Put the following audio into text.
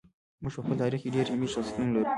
موږ په خپل تاریخ کې ډېر علمي شخصیتونه لرو.